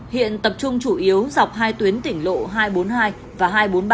hiện tập trung chủ yếu dọc hai tuyến tỉnh lộ hai trăm bốn mươi hai và hai trăm bốn mươi ba